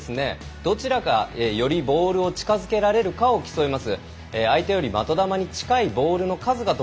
どちらがよりボールを近づけられるかを競います。